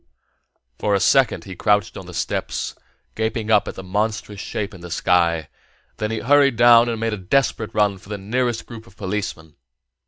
For a second he crouched on the steps, gaping up at the monstrous shape in the sky, and then he scurried down and made at a desperate run for the nearest group of policemen.